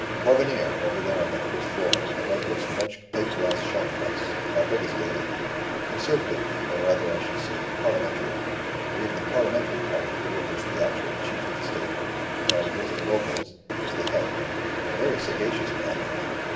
"Porvenir, over there on that first floor, above those French plate glass shop fronts; our biggest daily. Conservative, or, rather, I should say, Parliamentary. We have the Parliamentary party here of which the actual Chief of the State, Don Juste Lopez, is the head; a very sagacious man, I think.